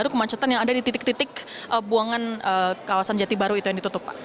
itu kemacetan yang ada di titik titik buangan kawasan jati baru itu yang ditutup pak